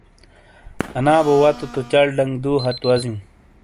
آنا بو واتو تو چل ڈک دو ہتھ وزیوں